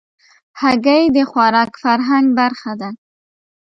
هګۍ د خوراک فرهنګ برخه ده.